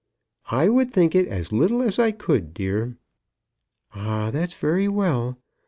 "I would think it as little as I could, dear." "Ah, that's very well.